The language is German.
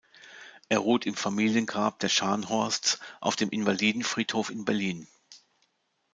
Er ruht im Familiengrab der Scharnhorsts auf dem Invalidenfriedhof in Berlin.